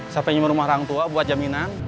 saya pinjam uang rumah orang tua buat jaminan